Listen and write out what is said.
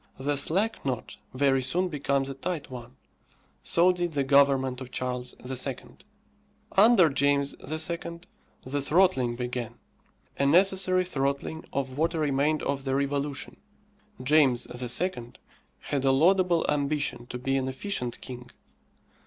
The slack knot very soon becomes a tight one. So did the government of Charles II. Under James II. the throttling began; a necessary throttling of what remained of the revolution. James II. had a laudable ambition to be an efficient king.